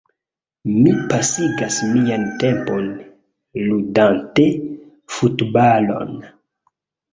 Mi pasigas mian tempon ludante futbalon.